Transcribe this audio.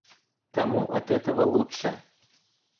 Кому от этого лучше?